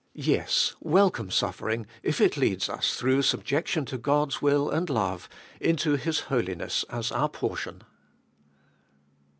Yes, welcome suffering, if it leads us, through subjection to God's will and love, into His holiness as our portion.